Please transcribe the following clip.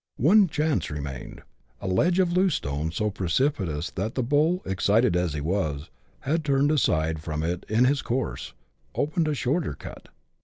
One chance remained : a ledge of loose stones, so precipitous, that the bull, excited as he was, had turned aside from it in his course, opened a shorter cut.